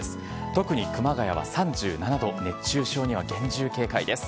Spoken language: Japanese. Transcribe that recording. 特に熊谷は３７度、熱中症には厳重警戒です。